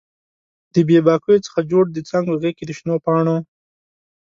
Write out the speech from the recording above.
د بې باکیو څخه جوړ د څانګو غیږ کې د شنو پاڼو